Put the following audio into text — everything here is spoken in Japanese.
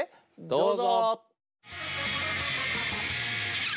どうぞ！